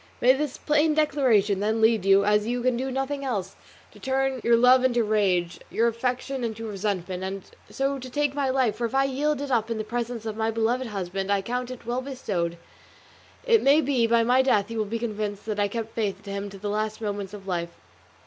May this plain declaration, then, lead you, as you can do nothing else, to turn your love into rage, your affection into resentment, and so to take my life; for if I yield it up in the presence of my beloved husband I count it well bestowed; it may be by my death he will be convinced that I kept my faith to him to the last moment of life."